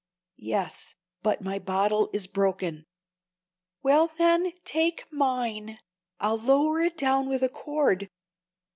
"Yes, but my bottle is broken." "Well, then, take mine. I'll lower it down with a cord.